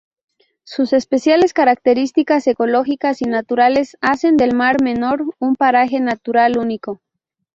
Sus especiales características ecológicas y naturales hacen del Mar Menor un paraje natural único.